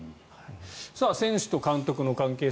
選手と監督の関係性